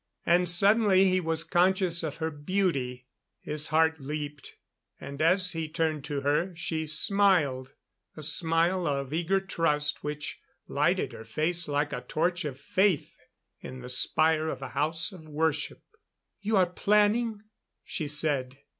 And suddenly he was conscious of her beauty. His heart leaped, and as he turned to her, she smiled a smile of eager trust which lighted her face like a torch of faith in the spire of a house of worship. "You are planning?" she said.